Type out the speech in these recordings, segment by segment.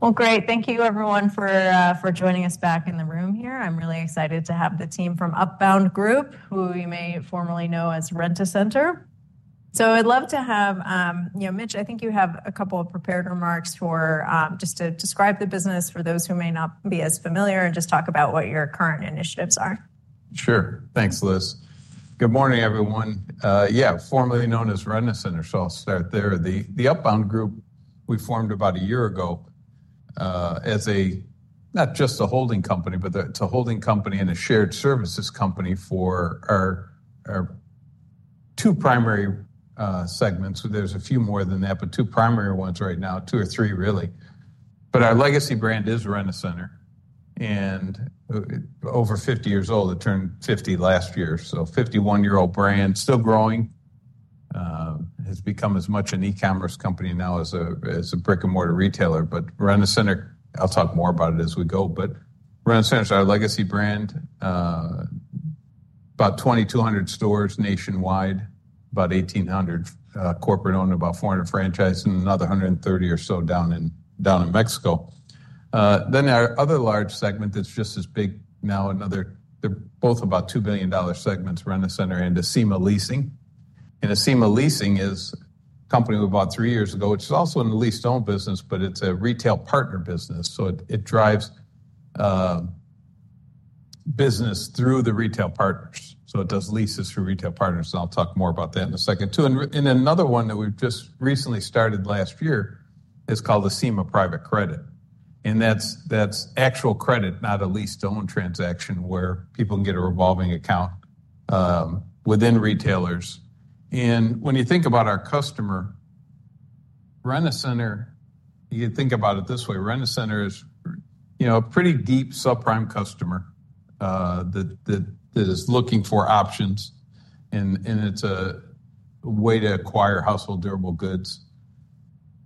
Well, great. Thank you, everyone, for joining us back in the room here. I'm really excited to have the team from Upbound Group, who you may formerly know as Rent-A-Center. So I'd love to have Mitch, I think you have a couple of prepared remarks just to describe the business for those who may not be as familiar and just talk about what your current initiatives are? Sure. Thanks, Liz. Good morning, everyone. Yeah, formerly known as Rent-A-Center, so I'll start there. The Upbound Group, we formed about a year ago as not just a holding company, but it's a holding company and a shared services company for two primary segments. There's a few more than that, but two primary ones right now, two or three really. But our legacy brand is Rent-A-Center, and over 50 years old. It turned 50 last year, so 51-year-old brand, still growing. It has become as much an e-commerce company now as a brick-and-mortar retailer. But Rent-A-Center, I'll talk more about it as we go. But Rent-A-Center is our legacy brand, about 2,200 stores nationwide, about 1,800 corporate-owned, about 400 franchised, and another 130 or so down in Mexico. Then our other large segment that's just as big now, they're both about $2 billion segments, Rent-A-Center and Acima Leasing. Acima Leasing is a company we bought three years ago, which is also in the lease-to-own business, but it's a retail partner business. It drives business through the retail partners. It does leases through retail partners, and I'll talk more about that in a second, too. Another one that we've just recently started last year is called Acima Private Credit, and that's actual credit, not a lease-to-own transaction where people can get a revolving account within retailers. When you think about our customer, Rent-A-Center, you can think about it this way: Rent-A-Center is a pretty deep subprime customer that is looking for options, and it's a way to acquire household durable goods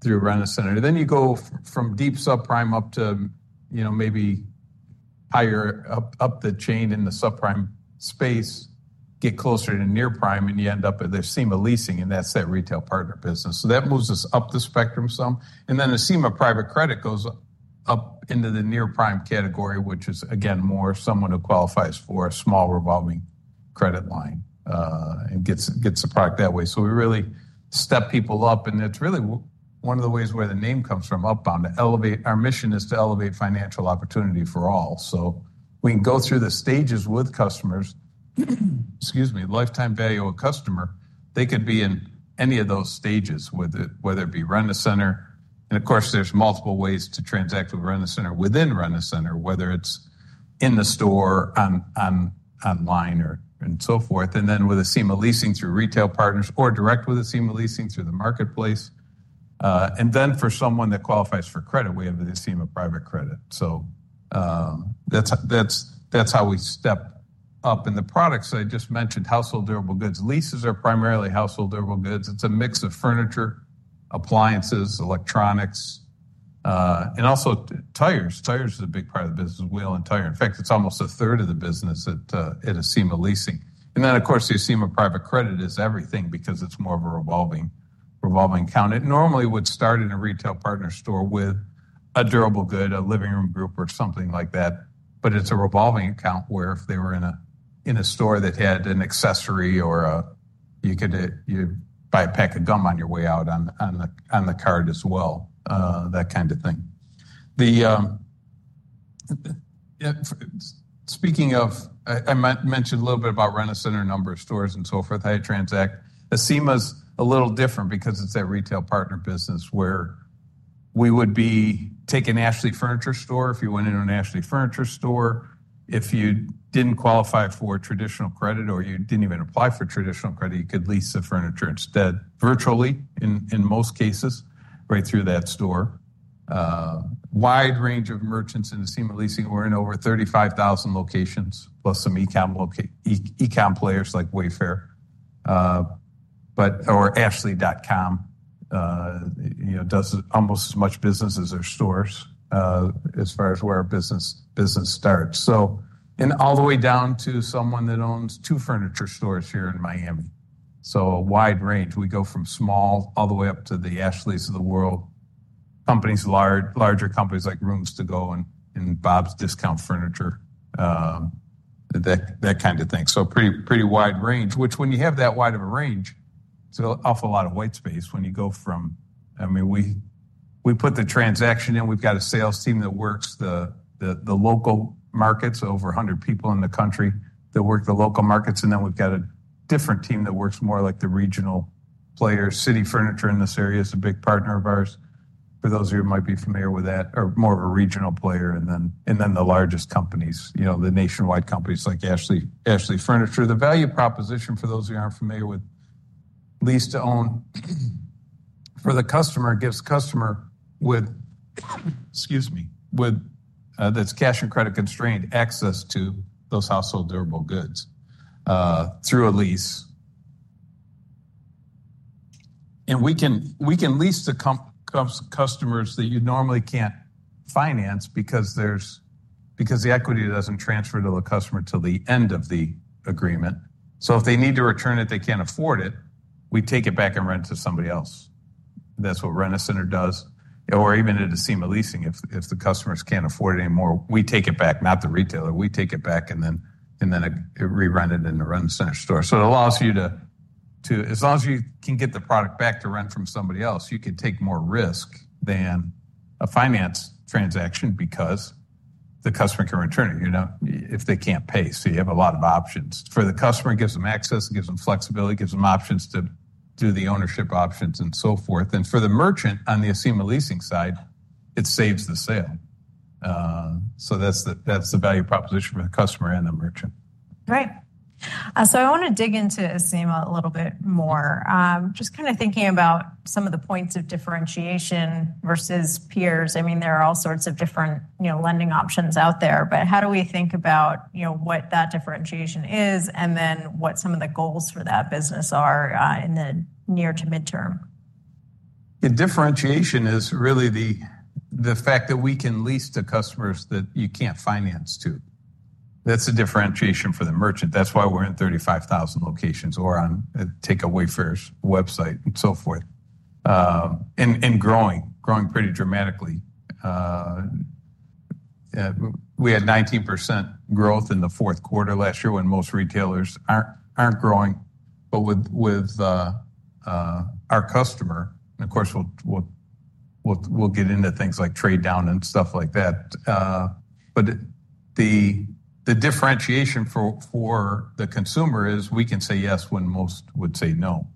through Rent-A-Center. Then you go from deep subprime up to maybe higher up the chain in the subprime space, get closer to near-prime, and you end up at Acima Leasing, and that's that retail partner business. So that moves us up the spectrum some. And then Acima Private Credit goes up into the near-prime category, which is again more someone who qualifies for a small revolving credit line and gets the product that way. So we really step people up, and it's really one of the ways where the name comes from, Upbound. Our mission is to elevate financial opportunity for all. So we can go through the stages with customers, excuse me, lifetime value of a customer. They could be in any of those stages, whether it be Rent-A-Center. And of course, there's multiple ways to transact with Rent-A-Center within Rent-A-Center, whether it's in the store, online, and so forth. And then with Acima Leasing through retail partners or direct with Acima Leasing through the marketplace. And then for someone that qualifies for credit, we have the Acima Private Credit. So that's how we step up. And the products I just mentioned, household durable goods, leases are primarily household durable goods. It's a mix of furniture, appliances, electronics, and also tires. Tires is a big part of the business, wheel and tire. In fact, it's almost a third of the business at Acima Leasing. And then of course, the Acima Private Credit is everything because it's more of a revolving account. It normally would start in a retail partner store with a durable good, a living room group, or something like that. But it's a revolving account where if they were in a store that had an accessory or you could buy a pack of gum on your way out on the cart as well, that kind of thing. Speaking of, I mentioned a little bit about Rent-A-Center, a number of stores, and so forth how you transact. Acima is a little different because it's that retail partner business where we would be taking Ashley Furniture store. If you went into an Ashley Furniture store, if you didn't qualify for traditional credit or you didn't even apply for traditional credit, you could lease the furniture instead virtually in most cases right through that store. Wide range of merchants in Acima Leasing. We're in over 35,000 locations plus some e-com players like Wayfair or Ashley.com. It does almost as much business as their stores as far as where our business starts. All the way down to someone that owns two furniture stores here in Miami. So a wide range. We go from small all the way up to the Ashleys of the world, larger companies like Rooms To Go and Bob's Discount Furniture, that kind of thing. So pretty wide range, which when you have that wide of a range, it's an awful lot of white space when you go from... I mean, we put the transaction in, we've got a sales team that works the local markets, over 100 people in the country that work the local markets. And then we've got a different team that works more like the regional players. City Furniture in this area is a big partner of ours, for those of you who might be familiar with that, or more of a regional player. And then the largest companies, the nationwide companies like Ashley Furniture. The value proposition for those who aren't familiar with lease-to-own for the customer gives customer with... Excuse me, that's cash and credit constrained, access to those household durable goods through a lease. And we can lease to customers that you normally can't finance because the equity doesn't transfer to the customer till the end of the agreement. So if they need to return it, they can't afford it, we take it back and rent it to somebody else. That's what Rent-A-Center does, or even at Acima Leasing, if the customers can't afford it anymore, we take it back, not the retailer. We take it back and then re-rent it in the Rent-A-Center store. So it allows you to, as long as you can get the product back to rent from somebody else, you can take more risk than a finance transaction because the customer can return it if they can't pay. So you have a lot of options. For the customer, it gives them access, it gives them flexibility, gives them options to do the ownership options and so forth. For the merchant on the Acima Leasing side, it saves the sale. So that's the value proposition for the customer and the merchant. Right. So I want to dig into Acima a little bit more, just kind of thinking about some of the points of differentiation versus peers. I mean, there are all sorts of different lending options out there, but how do we think about what that differentiation is and then what some of the goals for that business are in the near to midterm? The differentiation is really the fact that we can lease to customers that you can't finance to. That's a differentiation for the merchant. That's why we're in 35,000 locations or take a Wayfair website and so forth and growing pretty dramatically. We had 19% growth in the fourth quarter last year when most retailers aren't growing. But with our customer, and of course we'll get into things like trade down and stuff like that. But the differentiation for the consumer is we can say yes when most would say no.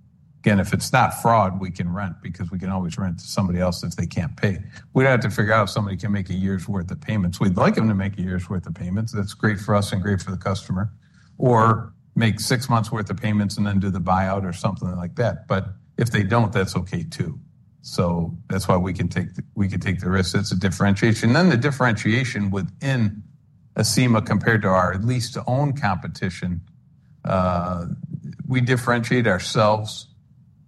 Again, if it's not fraud, we can rent because we can always rent to somebody else if they can't pay. We'd have to figure out if somebody can make a year's worth of payments. We'd like them to make a year's worth of payments. That's great for us and great for the customer, or make six months' worth of payments and then do the buyout or something like that. But if they don't, that's okay too. So that's why we can take the risk. That's a differentiation. Then the differentiation within Acima compared to our lease-to-own competition, we differentiate ourselves.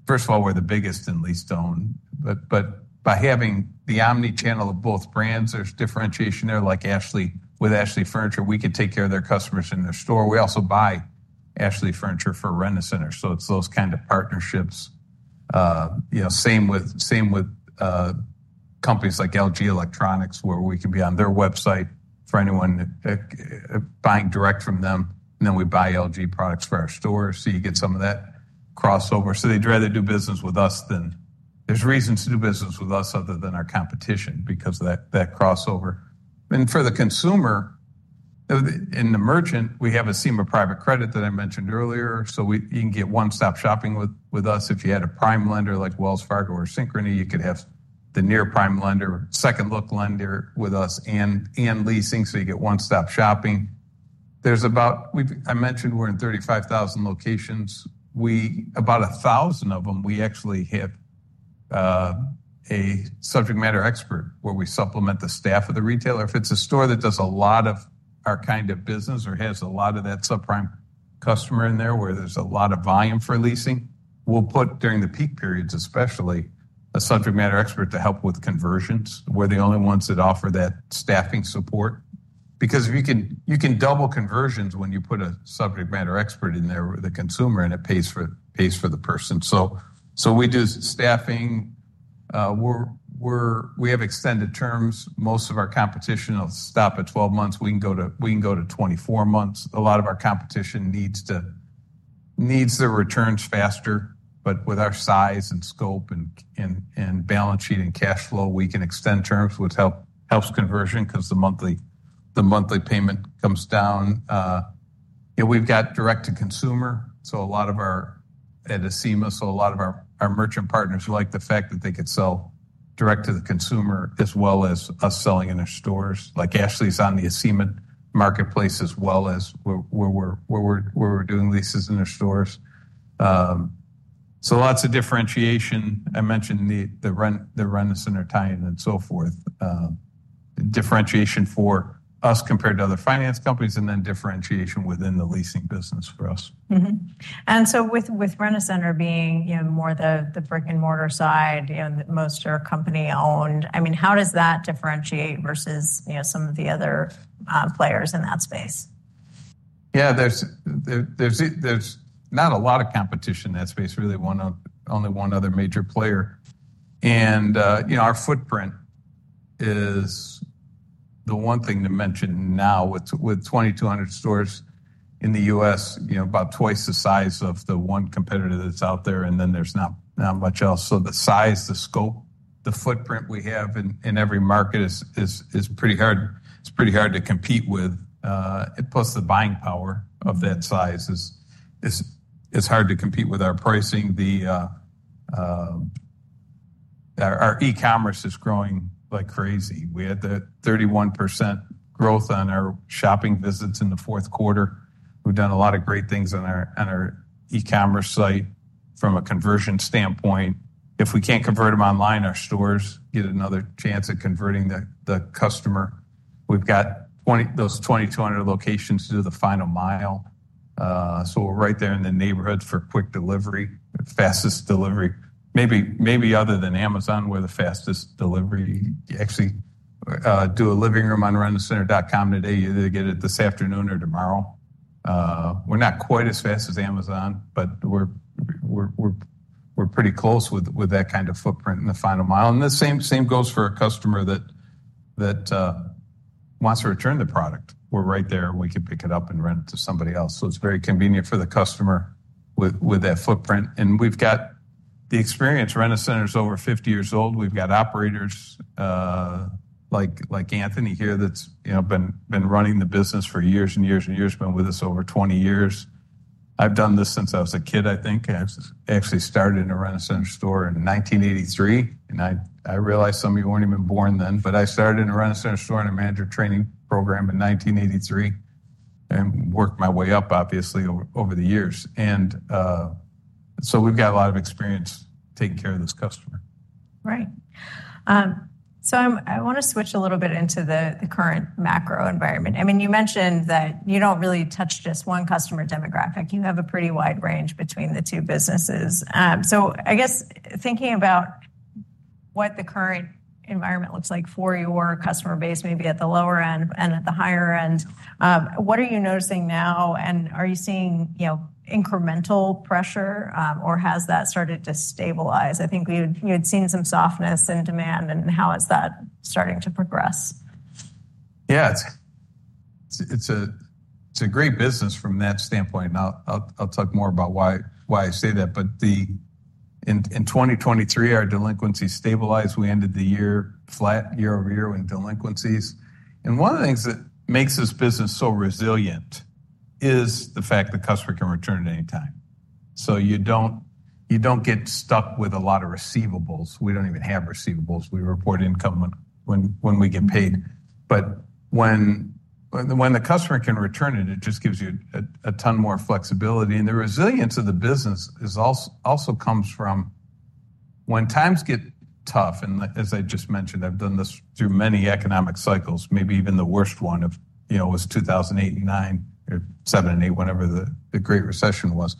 First of all, we're the biggest in lease-to-own, but by having the omnichannel of both brands, there's differentiation there. Like with Ashley Furniture, we can take care of their customers in their store. We also buy Ashley Furniture for Rent-A-Center. So it's those kind of partnerships. Same with companies like LG Electronics where we can be on their website for anyone buying direct from them, and then we buy LG products for our store. So you'd rather do business with us than... There's reasons to do business with us other than our competition because of that crossover. For the consumer and the merchant, we have Acima Private Credit that I mentioned earlier. You can get one-stop shopping with us. If you had a prime lender like Wells Fargo or Synchrony, you could have the near-prime lender, second-look lender with us and leasing. You get one-stop shopping. I mentioned we're in 35,000 locations. About 1,000 of them, we actually have a subject matter expert where we supplement the staff of the retailer. If it's a store that does a lot of our kind of business or has a lot of that subprime customer in there where there's a lot of volume for leasing, we'll put during the peak periods especially a subject matter expert to help with conversions. We're the only ones that offer that staffing support because you can double conversions when you put a subject matter expert in there, the consumer, and it pays for the person. So we do staffing. We have extended terms. Most of our competition will stop at 12 months. We can go to 24 months. A lot of our competition needs their returns faster, but with our size and scope and balance sheet and cash flow, we can extend terms, which helps conversion because the monthly payment comes down. We've got direct-to-consumer, so a lot of our... at Acima, so a lot of our merchant partners like the fact that they could sell direct to the consumer as well as us selling in their stores. Like Ashley's on the Acima Marketplace as well as where we're doing leases in their stores. So lots of differentiation. I mentioned the Rent-A-Center tie-in and so forth. Differentiation for us compared to other finance companies and then differentiation within the leasing business for us. And so with Rent-A-Center being more the brick-and-mortar side, most are company-owned. I mean, how does that differentiate versus some of the other players in that space? Yeah, there's not a lot of competition in that space, really only one other major player. Our footprint is the one thing to mention now with 2,200 stores in the U.S., about twice the size of the one competitor that's out there, and then there's not much else. The size, the scope, the footprint we have in every market is pretty hard to compete with. Plus, the buying power of that size is hard to compete with our pricing. Our e-commerce is growing like crazy. We had the 31% growth on our shopping visits in the fourth quarter. We've done a lot of great things on our e-commerce site from a conversion standpoint. If we can't convert them online, our stores get another chance at converting the customer. We've got those 2,200 locations to do the final mile. So we're right there in the neighborhoods for quick delivery, fastest delivery. Maybe other than Amazon, we're the fastest delivery. You actually do a living room on Rent-A-Center.com today. You either get it this afternoon or tomorrow. We're not quite as fast as Amazon, but we're pretty close with that kind of footprint in the final mile. And the same goes for a customer that wants to return the product. We're right there and we can pick it up and rent it to somebody else. So it's very convenient for the customer with that footprint. And we've got the experience. Rent-A-Center is over 50 years old. We've got operators like Anthony here that's been running the business for years and years and years, been with us over 20 years. I've done this since I was a kid, I think. I actually started in a Rent-A-Center store in 1983. I realized some of you weren't even born then, but I started in a Rent-A-Center store in a manager training program in 1983 and worked my way up, obviously, over the years. So we've got a lot of experience taking care of this customer. Right. So I want to switch a little bit into the current macro environment. I mean, you mentioned that you don't really touch just one customer demographic. You have a pretty wide range between the two businesses. So I guess thinking about what the current environment looks like for your customer base, maybe at the lower end and at the higher end, what are you noticing now? And are you seeing incremental pressure or has that started to stabilize? I think you had seen some softness in demand and how is that starting to progress? Yeah, it's a great business from that standpoint. I'll talk more about why I say that. But in 2023, our delinquencies stabilized. We ended the year flat year over year in delinquencies. And one of the things that makes this business so resilient is the fact the customer can return at any time. So you don't get stuck with a lot of receivables. We don't even have receivables. We report income when we get paid. But when the customer can return it, it just gives you a ton more flexibility. And the resilience of the business also comes from when times get tough. And as I just mentioned, I've done this through many economic cycles, maybe even the worst one was 2008 and 2009 or 2007 and 2008, whenever the Great Recession was.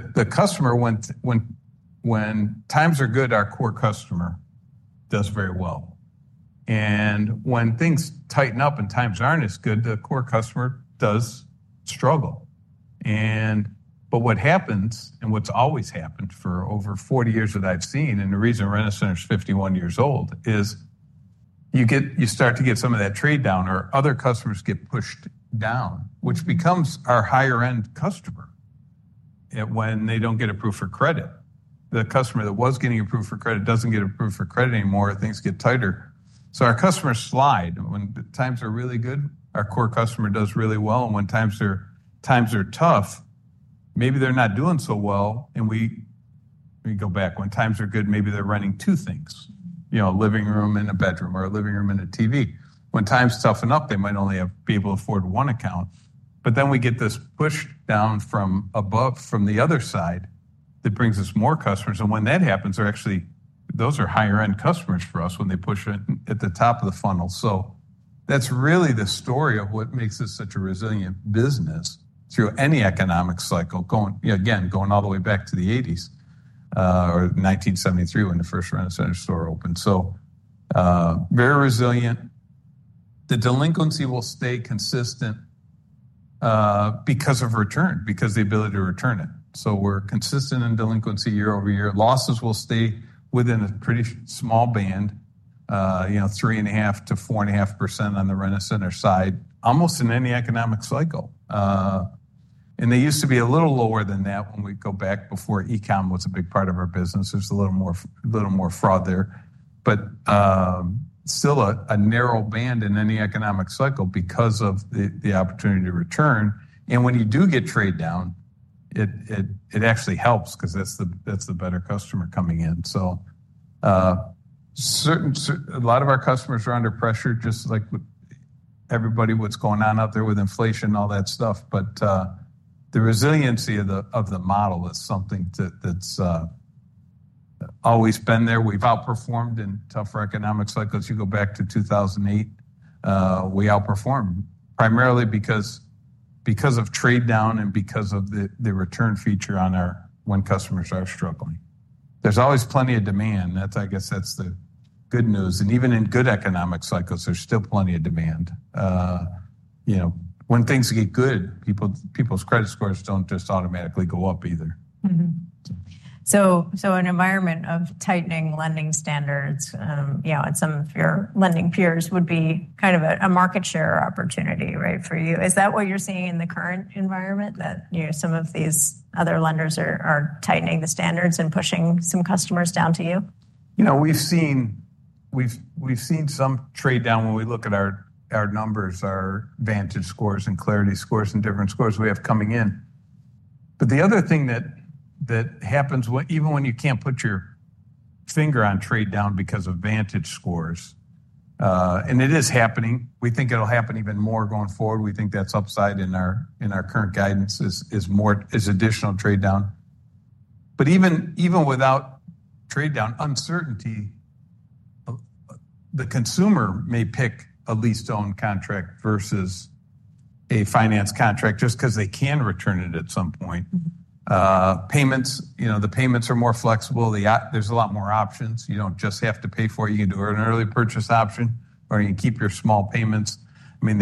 The customer, when times are good, our core customer does very well. When things tighten up and times aren't as good, the core customer does struggle. But what happens and what's always happened for over 40 years that I've seen, and the reason Rent-A-Center is 51 years old, is you start to get some of that trade down or other customers get pushed down, which becomes our higher-end customer when they don't get approved for credit. The customer that was getting approved for credit doesn't get approved for credit anymore. Things get tighter. So our customers slide. When times are really good, our core customer does really well. And when times are tough, maybe they're not doing so well. And we go back. When times are good, maybe they're running two things, a living room and a bedroom or a living room and a TV. When times toughen up, they might only be able to afford one account. But then we get this push down from above from the other side that brings us more customers. And when that happens, those are higher-end customers for us when they push it at the top of the funnel. So that's really the story of what makes this such a resilient business through any economic cycle, again, going all the way back to the '80s or 1973 when the first Rent-A-Center store opened. So very resilient. The delinquency will stay consistent because of return, because the ability to return it. So we're consistent in delinquency year-over-year. Losses will stay within a pretty small band, 3.5%-4.5% on the Rent-A-Center side, almost in any economic cycle. And they used to be a little lower than that when we go back before e-com was a big part of our business. There's a little more fraud there, but still a narrow band in any economic cycle because of the opportunity to return. And when you do get trade down, it actually helps because that's the better customer coming in. So a lot of our customers are under pressure, just like everybody, what's going on out there with inflation and all that stuff. But the resiliency of the model is something that's always been there. We've outperformed in tougher economic cycles. You go back to 2008, we outperformed primarily because of trade down and because of the return feature on our when customers are struggling. There's always plenty of demand. I guess that's the good news. And even in good economic cycles, there's still plenty of demand. When things get good, people's credit scores don't just automatically go up either. So, an environment of tightening lending standards and some of your lending peers would be kind of a market share opportunity for you. Is that what you're seeing in the current environment, that some of these other lenders are tightening the standards and pushing some customers down to you? We've seen some trade down when we look at our numbers, our Vantage Scores and Clarity Scores and different scores we have coming in. But the other thing that happens, even when you can't put your finger on trade down because of Vantage Scores, and it is happening, we think it'll happen even more going forward. We think that's upside in our current guidance is additional trade down. But even without trade down, uncertainty, the consumer may pick a lease-to-own contract versus a finance contract just because they can return it at some point. The payments are more flexible. There's a lot more options. You don't just have to pay for it. You can do an Early Purchase Option or you can keep your small payments. I mean,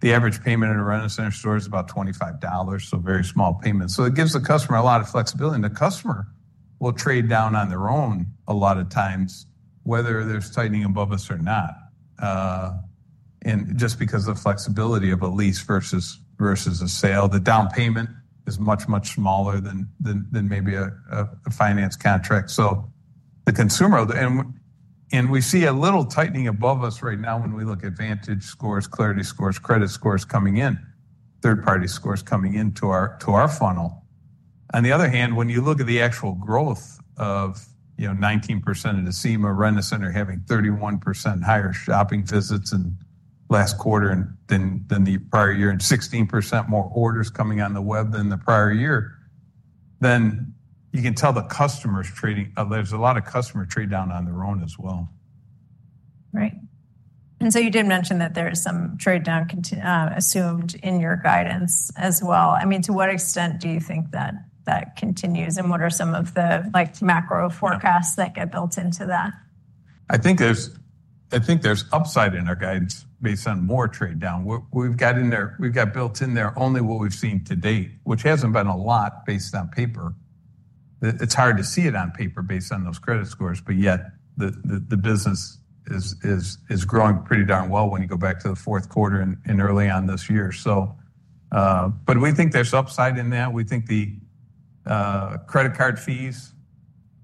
the average payment in a Rent-A-Center store is about $25, so very small payments. So it gives the customer a lot of flexibility. And the customer will trade down on their own a lot of times, whether there's tightening above us or not. And just because of the flexibility of a lease versus a sale, the down payment is much, much smaller than maybe a finance contract. So the consumer, and we see a little tightening above us right now when we look at Vantage Scores, Clarity Scores, credit scores coming in, third-party scores coming into our funnel. On the other hand, when you look at the actual growth of 19% at Acima, Rent-A-Center having 31% higher shopping visits in the last quarter than the prior year and 16% more orders coming on the web than the prior year, then you can tell the customers trading... there's a lot of customer trade down on their own as well. Right. And so you did mention that there is some trade down assumed in your guidance as well. I mean, to what extent do you think that continues? And what are some of the macro forecasts that get built into that? I think there's upside in our guidance based on more trade down. We've got built in there only what we've seen to date, which hasn't been a lot based on paper. It's hard to see it on paper based on those credit scores, but yet the business is growing pretty darn well when you go back to the fourth quarter and early on this year. But we think there's upside in that. We think the credit card fees,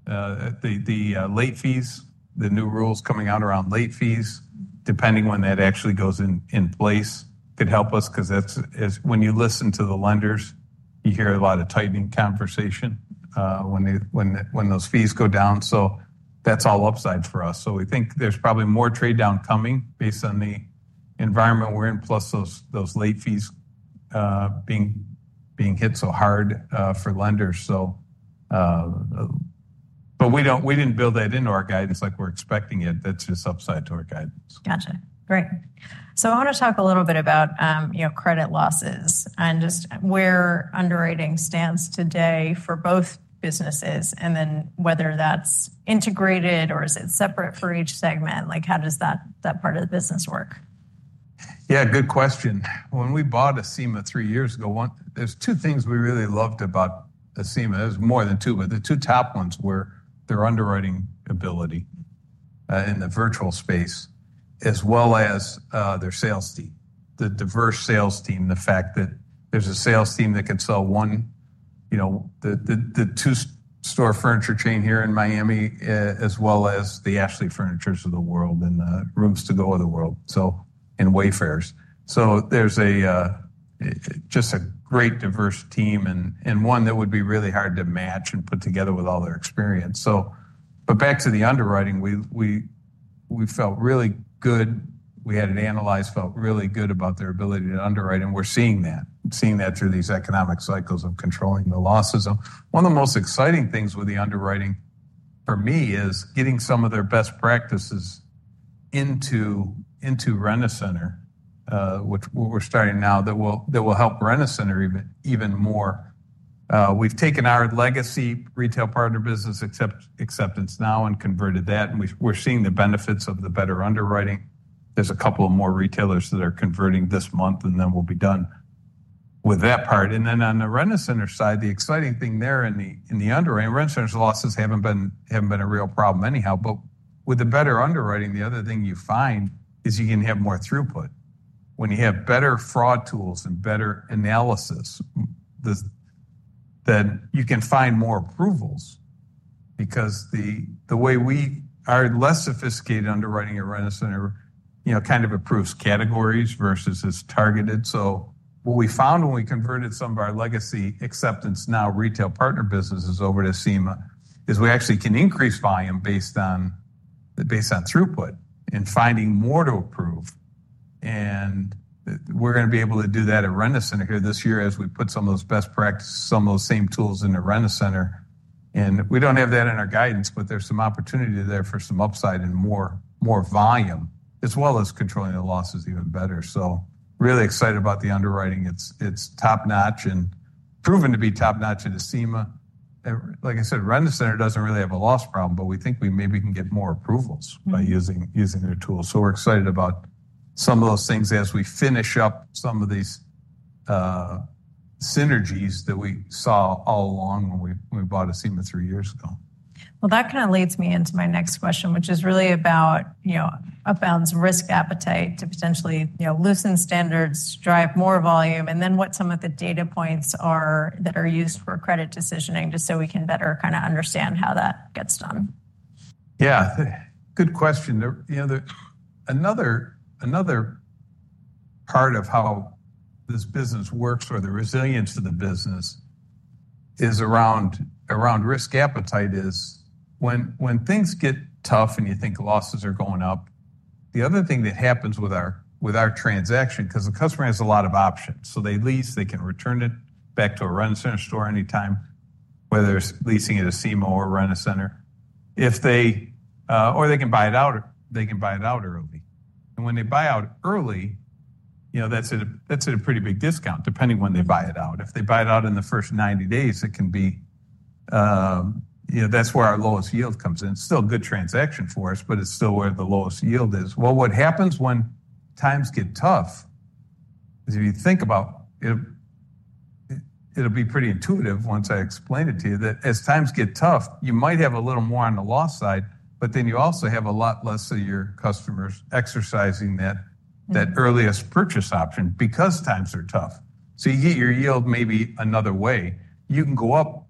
the late fees, the new rules coming out around late fees, depending when that actually goes in place, could help us because when you listen to the lenders, you hear a lot of tightening conversation when those fees go down. So that's all upside for us. So we think there's probably more trade down coming based on the environment we're in, plus those late fees being hit so hard for lenders. We didn't build that into our guidance like we're expecting it. That's just upside to our guidance. Gotcha. Great. So I want to talk a little bit about credit losses and just where underwriting stands today for both businesses and then whether that's integrated or is it separate for each segment? How does that part of the business work? Yeah, good question. When we bought Acima three years ago, there's two things we really loved about Acima. There's more than two, but the two top ones were their underwriting ability in the virtual space, as well as their sales team, the diverse sales team, the fact that there's a sales team that can sell one... the two-store furniture chain here in Miami, as well as the Ashley Furniture of the world and the Rooms To Go of the world and Wayfair. So there's just a great diverse team and one that would be really hard to match and put together with all their experience. But back to the underwriting, we felt really good. We had it analyzed, felt really good about their ability to underwrite, and we're seeing that through these economic cycles of controlling the losses. One of the most exciting things with the underwriting for me is getting some of their best practices into Rent-A-Center, which we're starting now, that will help Rent-A-Center even more. We've taken our legacy retail partner business Acceptance Now and converted that, and we're seeing the benefits of the better underwriting. There's a couple of more retailers that are converting this month, and then we'll be done with that part. And then on the Rent-A-Center side, the exciting thing there in the underwriting... Rent-A-Center's losses haven't been a real problem anyhow. But with the better underwriting, the other thing you find is you can have more throughput. When you have better fraud tools and better analysis, then you can find more approvals because the way our less sophisticated underwriting at Rent-A-Center kind of approves categories versus it's targeted. So what we found when we converted some of our legacy Acceptance now retail partner businesses over to Acima is we actually can increase volume based on throughput and finding more to approve. And we're going to be able to do that at Rent-A-Center here this year as we put some of those best practices, some of those same tools into Rent-A-Center. And we don't have that in our guidance, but there's some opportunity there for some upside and more volume, as well as controlling the losses even better. So really excited about the underwriting. It's top-notch and proven to be top-notch at Acima. Like I said, Rent-A-Center doesn't really have a loss problem, but we think we maybe can get more approvals by using their tools. So we're excited about some of those things as we finish up some of these synergies that we saw all along when we bought Acima three years ago. Well, that kind of leads me into my next question, which is really about Upbound's risk appetite to potentially loosen standards, drive more volume, and then what some of the data points are that are used for credit decisioning just so we can better kind of understand how that gets done. Yeah, good question. Another part of how this business works or the resilience of the business is around risk appetite. When things get tough and you think losses are going up, the other thing that happens with our transaction because the customer has a lot of options. So they lease, they can return it back to a Rent-A-Center store anytime, whether it's leasing at Acima or Rent-A-Center. Or they can buy it out early. And when they buy out early, that's at a pretty big discount depending on when they buy it out. If they buy it out in the first 90 days, that's where our lowest yield comes in. It's still a good transaction for us, but it's still where the lowest yield is. Well, what happens when times get tough is if you think about... It'll be pretty intuitive once I explain it to you that as times get tough, you might have a little more on the loss side, but then you also have a lot less of your customers exercising that early purchase option because times are tough. So you get your yield maybe another way. You can go up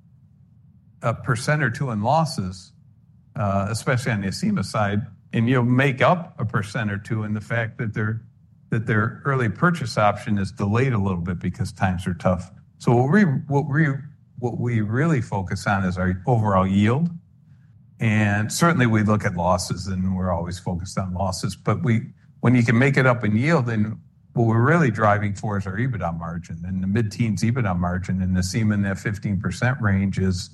1% or 2% in losses, especially on the Acima side, and you'll make up 1% or 2% in the fact that their early purchase option is delayed a little bit because times are tough. So what we really focus on is our overall yield. And certainly, we look at losses, and we're always focused on losses. But when you can make it up in yield, then what we're really driving for is our EBITDA margin and the mid-teens EBITDA margin. And Acima, in that 15% range, is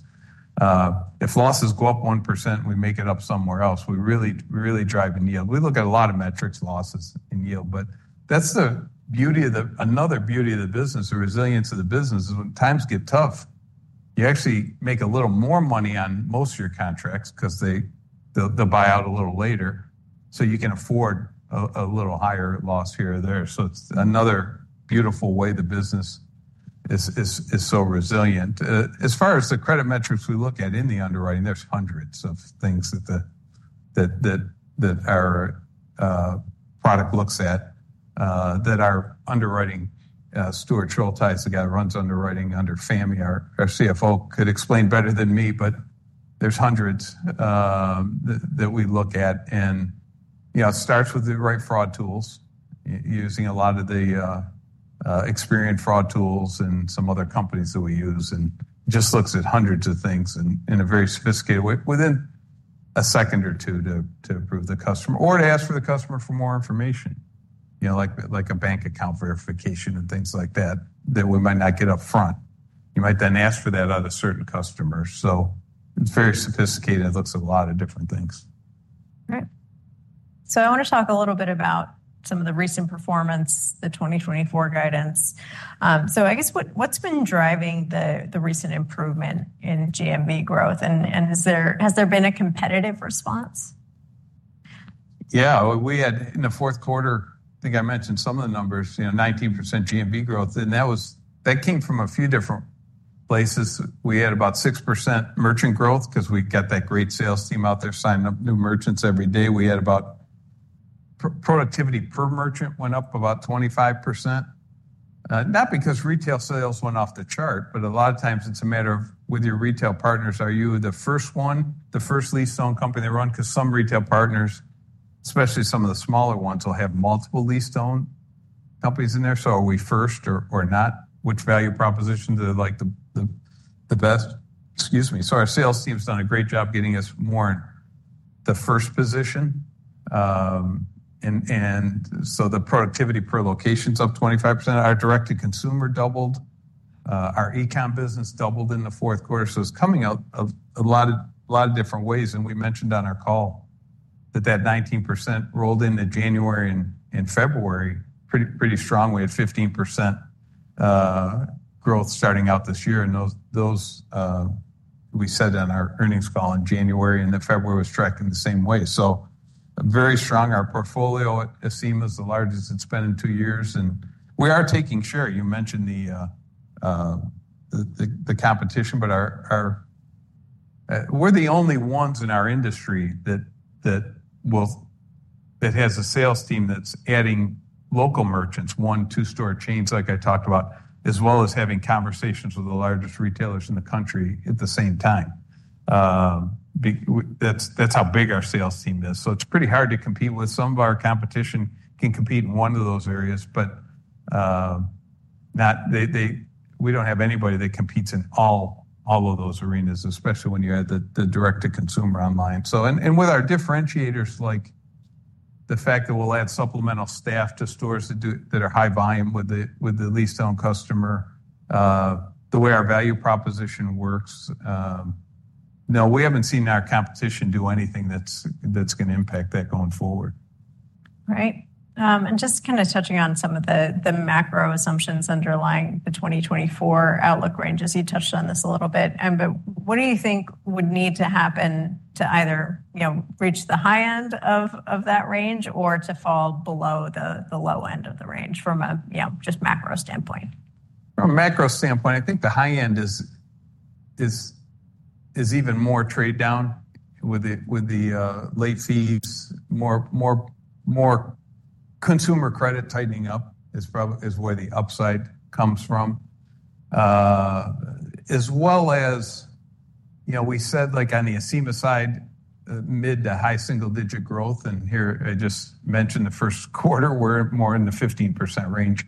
if losses go up 1%, we make it up somewhere else. We really drive in yield. We look at a lot of metrics, losses and yield, but that's another beauty of the business. The resilience of the business is when times get tough, you actually make a little more money on most of your contracts because they'll buy out a little later. So you can afford a little higher loss here or there. So it's another beautiful way the business is so resilient. As far as the credit metrics we look at in the underwriting, there's hundreds of things that our product looks at that our underwriting, Stuart Schultheis, the guy that runs underwriting under Fahmi, our CFO, could explain better than me, but there's hundreds that we look at. It starts with the right fraud tools, using a lot of the experienced fraud tools and some other companies that we use, and just looks at hundreds of things in a very sophisticated way within a second or two to approve the customer or to ask for the customer for more information, like a bank account verification and things like that that we might not get upfront. You might then ask for that out of certain customers. It's very sophisticated. It looks at a lot of different things. All right. So I want to talk a little bit about some of the recent performance, the 2024 guidance. So I guess what's been driving the recent improvement in GMV growth? And has there been a competitive response? Yeah, we had in the fourth quarter, I think I mentioned some of the numbers, 19% GMV growth, and that came from a few different places. We had about 6% merchant growth because we got that great sales team out there signing up new merchants every day. Productivity per merchant went up about 25%. Not because retail sales went off the chart, but a lot of times it's a matter of with your retail partners, are you the first one, the first lease-to-own company they run? Because some retail partners, especially some of the smaller ones, will have multiple lease-to-own companies in there. So are we first or not? Which value proposition do they like the best? Excuse me. So our sales team's done a great job getting us more in the first position. And so the productivity per location's up 25%. Our direct-to-consumer doubled. Our e-comm business doubled in the fourth quarter. So it's coming out a lot of different ways. We mentioned on our call that that 19% rolled in in January and February pretty strongly at 15% growth starting out this year. Those we said on our earnings call in January, and then February was tracking the same way. Very strong. Our portfolio at Acima is the largest it's been in two years. We are taking share. You mentioned the competition, but we're the only ones in our industry that has a sales team that's adding local merchants, one, two-store chains like I talked about, as well as having conversations with the largest retailers in the country at the same time. That's how big our sales team is. So it's pretty hard to compete with. Some of our competition can compete in one of those areas, but we don't have anybody that competes in all of those arenas, especially when you add the direct-to-consumer online. And with our differentiators, like the fact that we'll add supplemental staff to stores that are high volume with the lease-to-own customer, the way our value proposition works... No, we haven't seen our competition do anything that's going to impact that going forward. All right. Just kind of touching on some of the macro assumptions underlying the 2024 outlook range, as you touched on this a little bit. But what do you think would need to happen to either reach the high end of that range or to fall below the low end of the range from a just macro standpoint? From a macro standpoint, I think the high end is even more trade down with the late fees. More consumer credit tightening up is where the upside comes from. As well as we said on the Acima side, mid- to high single-digit growth. And here I just mentioned the first quarter, we're more in the 15% range.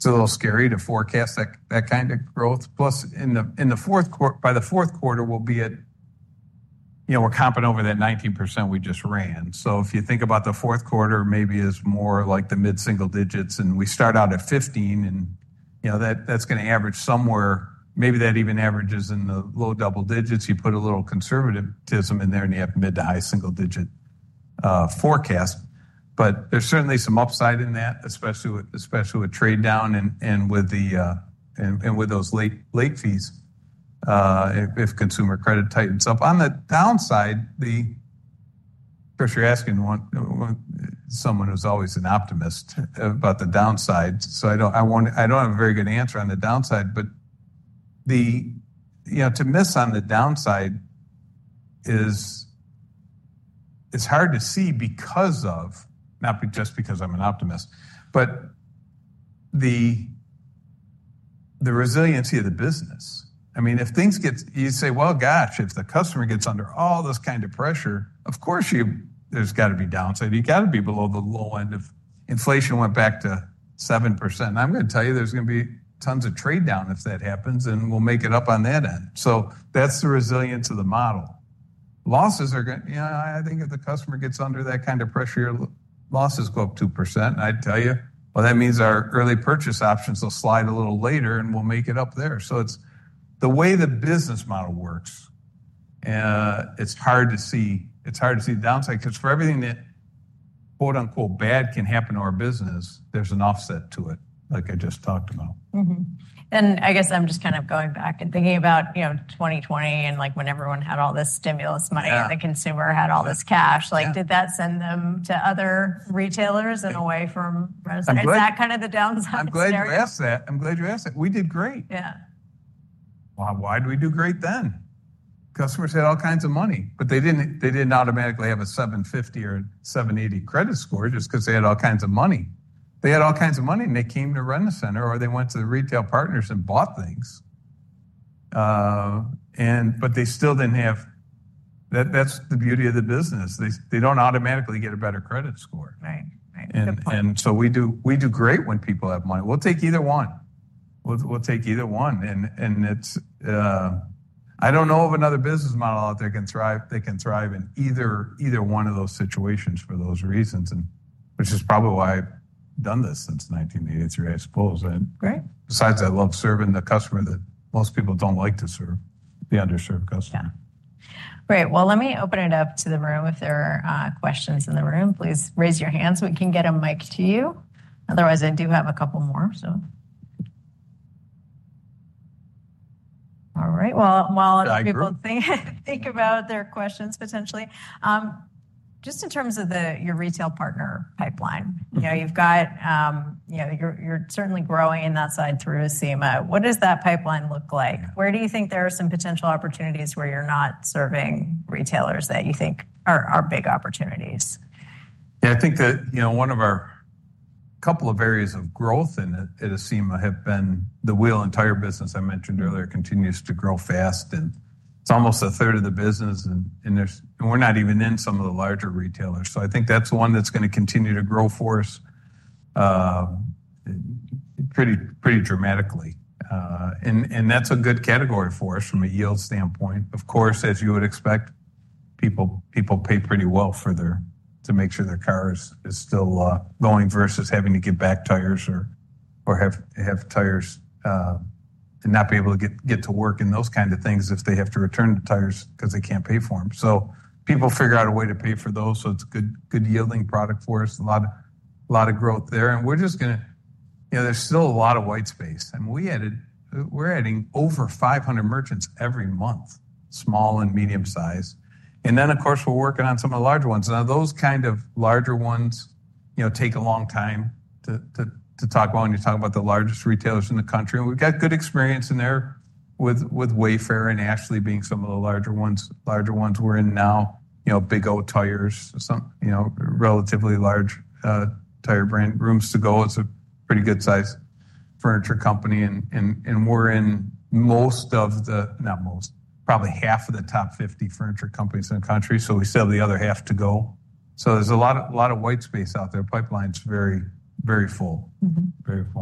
It's a little scary to forecast that kind of growth. Plus, by the fourth quarter, we'll be at... we're comping over that 19% we just ran. So if you think about the fourth quarter, maybe it's more like the mid-single digits, and we start out at 15, and that's going to average somewhere. Maybe that even averages in the low double digits. You put a little conservatism in there, and you have mid- to high single-digit forecast. But there's certainly some upside in that, especially with trade down and with those late fees if consumer credit tightens up. On the downside, I'm sure you're asking someone who's always an optimist about the downside. So I don't have a very good answer on the downside, but to miss on the downside is hard to see because of... not just because I'm an optimist, but the resiliency of the business. I mean, if things get... you say, "Well, gosh, if the customer gets under all this kind of pressure, of course there's got to be downside. You got to be below the low end of..." Inflation went back to 7%, and I'm going to tell you there's going to be tons of trade down if that happens, and we'll make it up on that end. So that's the resilience of the model. Losses are going to... I think if the customer gets under that kind of pressure, your losses go up 2%, and I'd tell you, "Well, that means our early purchase options will slide a little later, and we'll make it up there." So the way the business model works, it's hard to see downside because for everything that "bad" can happen to our business, there's an offset to it like I just talked about. I guess I'm just kind of going back and thinking about 2020 and when everyone had all this stimulus money and the consumer had all this cash. Did that send them to other retailers and away from Rent-A-Center? Is that kind of the downside? I'm glad you asked that. I'm glad you asked that. We did great. Yeah, why did we do great then? Customers had all kinds of money, but they didn't automatically have a 750 or 780 credit score just because they had all kinds of money. They had all kinds of money, and they came to Rent-A-Center or they went to the retail partners and bought things. But they still didn't have... that's the beauty of the business. They don't automatically get a better credit score. Right, right. Good point. And so we do great when people have money. We'll take either one. We'll take either one. And I don't know of another business model out there that can thrive in either one of those situations for those reasons, which is probably why I've done this since 1983, I suppose. Besides, I love serving the customer that most people don't like to serve, the underserved customer. Yeah, right. Well, let me open it up to the room. If there are questions in the room, please raise your hands. We can get a mic to you. Otherwise, I do have a couple more. All right. Well, while people think about their questions potentially, just in terms of your retail partner pipeline, you've got... you're certainly growing in that side through Acima. What does that pipeline look like? Where do you think there are some potential opportunities where you're not serving retailers that you think are big opportunities? Yeah, I think that one of our couple of areas of growth at Acima have been the wheel and tire business I mentioned earlier continues to grow fast. And it's almost a third of the business, and we're not even in some of the larger retailers. So I think that's one that's going to continue to grow for us pretty dramatically. And that's a good category for us from a yield standpoint. Of course, as you would expect, people pay pretty well to make sure their car is still going versus having to get back tires or have tires and not be able to get to work and those kinds of things if they have to return the tires because they can't pay for them. So people figure out a way to pay for those. So it's a good yielding product for us. A lot of growth there. We're just going to... there's still a lot of white space. I mean, we're adding over 500 merchants every month, small and medium size. And then, of course, we're working on some of the larger ones. Now, those kind of larger ones take a long time to talk about when you talk about the largest retailers in the country. And we've got good experience in there with Wayfair and Ashley being some of the larger ones we're in now. Big O Tires, relatively large tire brand, Rooms To Go. It's a pretty good size furniture company, and we're in most of the... not most, probably half of the top 50 furniture companies in the country. So we still have the other half to go. So there's a lot of white space out there. Pipeline's very full. Good.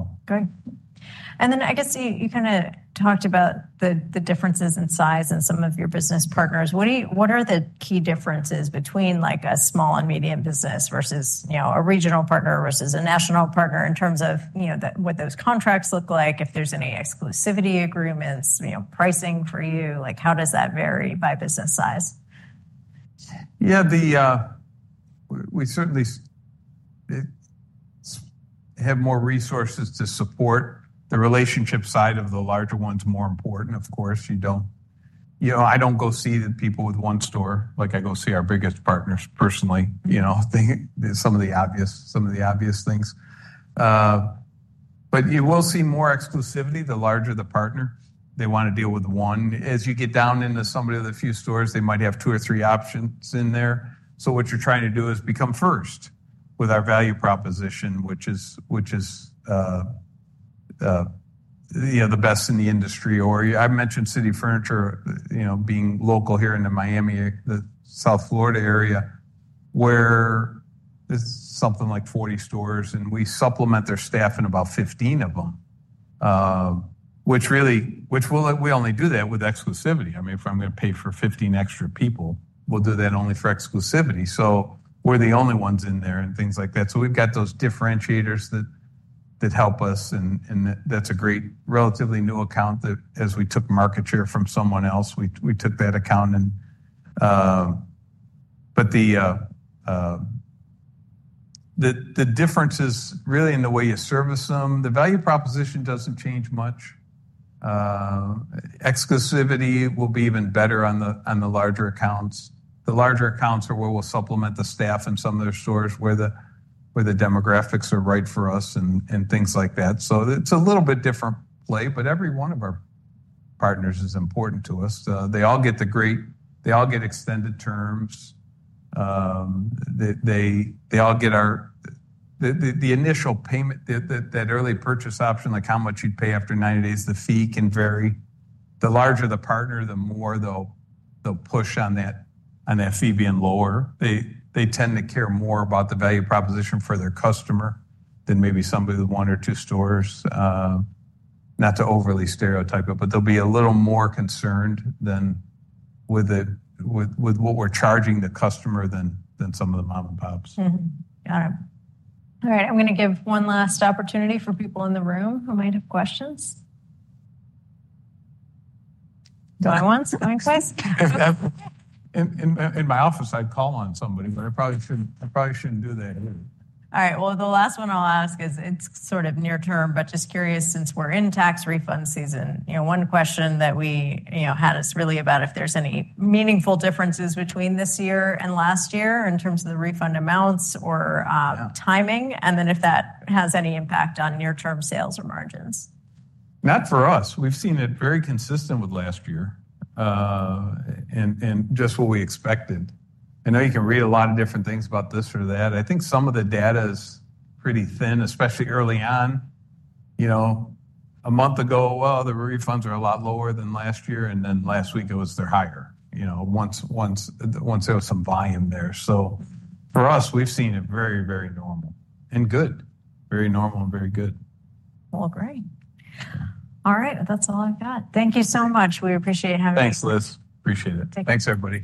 And then I guess you kind of talked about the differences in size and some of your business partners. What are the key differences between a small and medium business versus a regional partner versus a national partner in terms of what those contracts look like? If there's any exclusivity agreements, pricing for you, how does that vary by business size? Yeah, we certainly have more resources to support. The relationship side of the larger one's more important, of course. I don't go see the people with 1 store like I go see our biggest partners personally. Some of the obvious things. But you will see more exclusivity the larger the partner. They want to deal with 1. As you get down into somebody of the few stores, they might have 2 or 3 options in there. So what you're trying to do is become first with our value proposition, which is the best in the industry. Or I mentioned City Furniture being local here into Miami, the South Florida area, where it's something like 40 stores, and we supplement their staff in about 15 of them, which we only do that with exclusivity. I mean, if I'm going to pay for 15 extra people, we'll do that only for exclusivity. So we're the only ones in there and things like that. So we've got those differentiators that help us, and that's a great relatively new account that as we took market share from someone else, we took that account. But the differences really in the way you service them, the value proposition doesn't change much. Exclusivity will be even better on the larger accounts. The larger accounts are where we'll supplement the staff in some of their stores where the demographics are right for us and things like that. So it's a little bit different play, but every one of our partners is important to us. They all get the great... they all get extended terms. They all get the initial payment, that early purchase option, like how much you'd pay after 90 days, the fee can vary. The larger the partner, the more they'll push on that fee being lower. They tend to care more about the value proposition for their customer than maybe somebody with one or two stores. Not to overly stereotype it, but they'll be a little more concerned with what we're charging the customer than some of the mom-and-pops. Got it. All right. I'm going to give one last opportunity for people in the room who might have questions. Do I want to go inside? In my office, I'd call on somebody, but I probably shouldn't do that either. All right. Well, the last one I'll ask is sort of near term, but just curious since we're in tax refund season, one question that we had is really about if there's any meaningful differences between this year and last year in terms of the refund amounts or timing, and then if that has any impact on near-term sales or margins. Not for us. We've seen it very consistent with last year and just what we expected. I know you can read a lot of different things about this or that. I think some of the data is pretty thin, especially early on. A month ago, well, the refunds are a lot lower than last year, and then last week it was they're higher once there was some volume there. So for us, we've seen it very, very normal and good. Very normal and very good. Well, great. All right. That's all I've got. Thank you so much. We appreciate having you. Thanks, Liz. Appreciate it. Thanks, everybody.